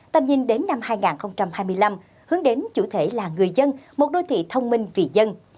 tầm nhìn đến năm hai nghìn hai mươi năm hướng đến chủ thể là người dân một đô thị thông minh vì dân